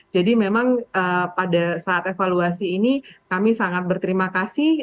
jadi memang pada saat evaluasi ini kami sangat berterima kasih